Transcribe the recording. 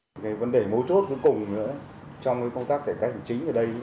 cái vấn đề mối chốt cuối cùng trong công tác thể cách hành chính ở đây